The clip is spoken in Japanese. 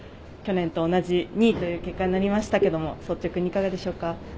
去年と同じ２位という結果になりましたが率直にいかがでしょうか？